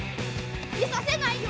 させないよ！